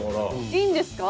いいんですか？